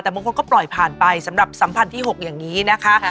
แต่บางคนก็ปล่อยผ่านไปสำหรับสัมพันธ์ที่๖อย่างนี้นะคะ